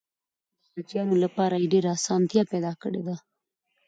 د حاجیانو لپاره یې ډېره اسانتیا پیدا کړې وه.